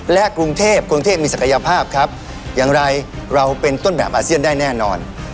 และกรุงเทพกรุงเทพมีศักยภาพครับอย่างไรเราเป็นต้นแบบอาเซียนได้แน่นอน